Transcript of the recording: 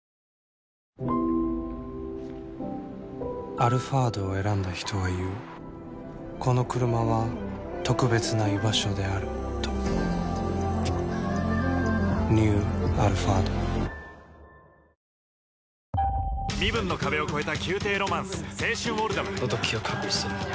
「アルファード」を選んだ人は言うこのクルマは特別な居場所であるとニュー「アルファード」待ってました！